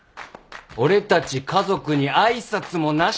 俺たち家族に挨拶もなしに？